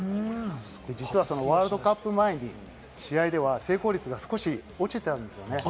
実はワールドカップ前に試合では成功率が少し落ちてたんですよね。